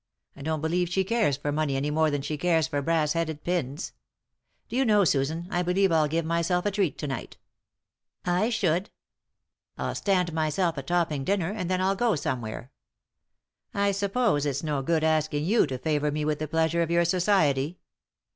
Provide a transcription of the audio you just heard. I don't believe she cares for money any more than she cares for brass headed pins. Do you know, Susan, I believe I'll give myself a treat to night." "I should." " I'll stand myself a topping dinner, and then I'll go somewhere. I suppose it's no good asking you to favour me with the pleasure of your society